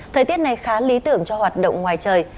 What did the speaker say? thời tiết này khá lý tưởng cho hoạt động ngoài trời